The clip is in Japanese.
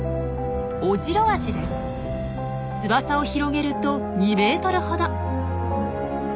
翼を広げると２ｍほど。